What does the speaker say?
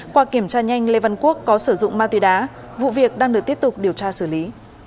qua kiểm tra nhanh lê văn quốc có sử dụng ma túy đá vụ việc đang được tiếp tục điều tra xử lý